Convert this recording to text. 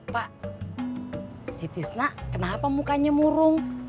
pak si tisnak kenapa mukanya murung